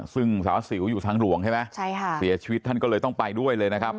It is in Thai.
ซึ่งสาวสิวอยู่ทางหลวงใช่ไหมใช่ค่ะเสียชีวิตท่านก็เลยต้องไปด้วยเลยนะครับ